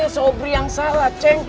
sobri yang salah ceng